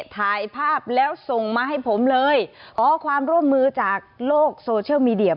ถ่ายภาพแล้วส่งมาให้ผมเลยขอความร่วมมือจากโลกโซเชียลมีเดีย